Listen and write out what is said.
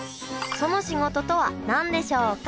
その仕事とは何でしょうか？